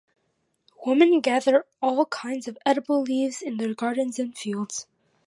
Women gather all kinds of edible leaves in their gardens and fields.